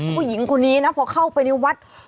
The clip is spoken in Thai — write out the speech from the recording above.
ผู้หญิงคนนี้นะพอเข้าไปในวัด